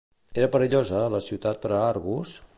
Era perillosa la ciutat per a Argos?